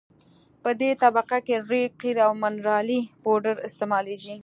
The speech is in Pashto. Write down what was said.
په دې طبقه کې ریګ قیر او منرالي پوډر استعمالیږي